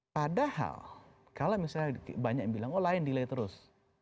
padahal kalau misalnya banyak yang bilang oh line delay terus